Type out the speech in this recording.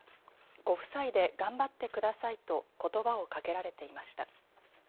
ご夫妻で頑張ってくださいとことばをかけられていました。